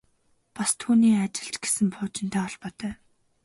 Бас түүний ажил ч гэсэн пуужинтай холбоотой.